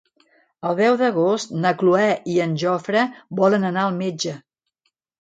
El deu d'agost na Cloè i en Jofre volen anar al metge.